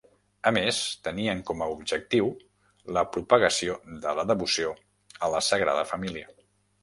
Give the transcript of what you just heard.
A més, tenien com a objectiu la propagació de la devoció a la Sagrada Família.